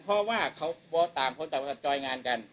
เพราะว่าเขาตามคนต่างบริษัทจอยงานกัน